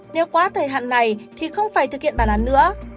nếu quá thời hạn này thì không phải thực hiện bản án nữa